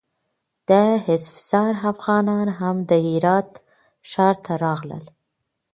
د اسفزار افغانان هم د هرات ښار ته راغلل.